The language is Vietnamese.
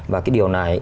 và cái điều này